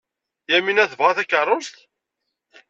Yamina tebɣa takeṛṛust?